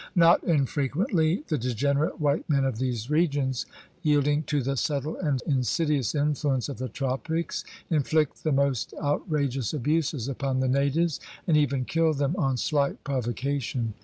Not infrequently, the degenerate white men of these regions, yielding to the subtle and insidious influence of the tropics, inflict the most outrageous abuses upon the natives, and even kill them on slight provocation.